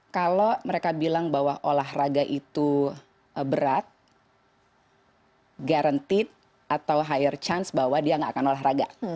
kalau mereka bilang bahwa olahraga itu berat guaranted atau higher chance bahwa dia nggak akan olahraga